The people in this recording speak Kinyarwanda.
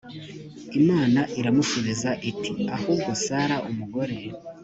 imana iramusubiza iti ahubwo sara umugore